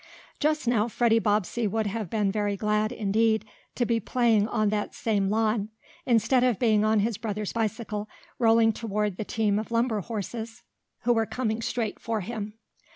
Just now Freddie Bobbsey would have been very glad, indeed, to be playing on that same lawn instead of being on his brother's bicycle, rolling toward the team of lumber horses, who were coming straight for him.